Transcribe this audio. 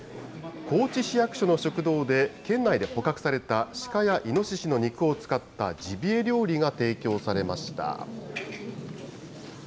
高知市役所の食堂で県内で捕獲されたシカやイノシシの肉を使ったジビエ料理が提供されました。